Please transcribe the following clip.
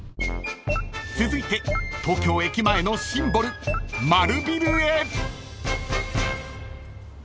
［続いて東京駅前のシンボル丸ビルへ］